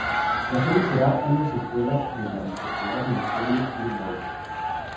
La serie será una secuela de la popular miniserie "Blue Murder".